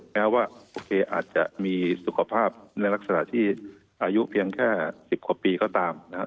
แม้ว่าโอเคอาจจะมีสุขภาพในลักษณะที่อายุเพียงแค่๑๐กว่าปีก็ตามนะครับ